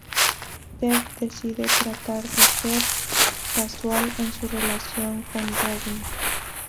Ted decide tratar de ser "casual" en su relación con Robin.